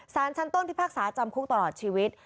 สารชั้นต้นพิพากษาจำคุกตลอดชีวิต